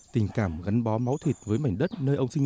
tình cảm gắn bó máu thịt với mảnh đất nơi ông sinh